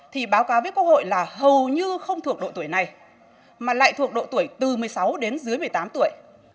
thì báo cáo biết quốc hội là hầu như không thuộc độ tuổi này mà lại thuộc độ tuổi từ một mươi sáu đến dưới một mươi tám tuổi